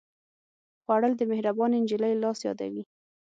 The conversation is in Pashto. خوړل د مهربانې نجلۍ لاس یادوي